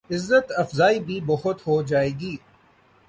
عزت افزائی بھی بہت ہو جائے گی۔